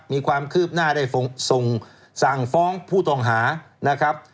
มีความคืบหน้าได้ส่งสั่งฟ้องผู้ต้องหานะครับ